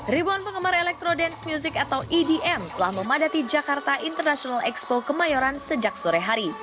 ribuan penggemar electro dance music atau edm telah memadati jakarta international expo kemayoran sejak sore hari